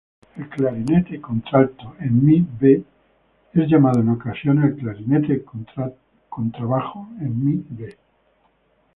El clarinete contralto en mi♭es llamado en ocasiones el "clarinete contrabajo en mi♭".